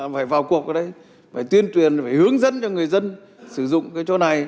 phải vào cuộc ở đây phải tuyên truyền phải hướng dẫn cho người dân sử dụng cái chỗ này